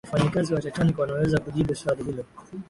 wafanyakazi wa titanic wanaweza kujibu swali hilo